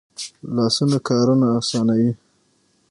لاسونه کارونه آسانوي